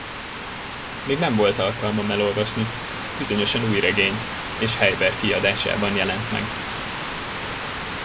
Még nem volt alkalmam elolvasni, bizonyosan új regény, és Heiberg kiadásában jelent meg.